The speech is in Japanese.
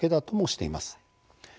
ともしています。